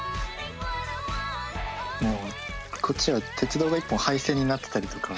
もうこっちは鉄道が１本はい線になってたりとか。